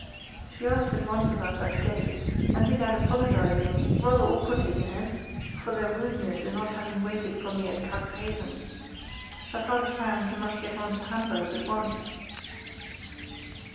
She asked at once about that day, and began apologising, rather awkwardly, you know, for their rudeness in not having waited for me at Cuxhaven. Her father found he must get on to Hamburg at once."